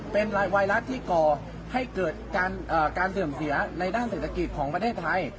เป็นไวรัสที่ก่อให้เกิดการเสื่อมเสียในด้านเศรษฐกิจของประเทศไทย